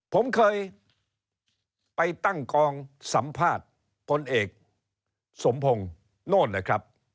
ผมเคยไปตั้งกองสัมภาษณ์พลเอกสมพงศ์โน่นนะครับ